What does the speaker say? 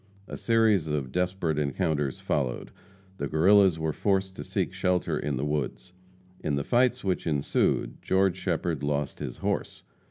A series of desperate encounters followed. The Guerrillas were forced to seek shelter in the woods. In the fights which ensued, George Shepherd lost his horse.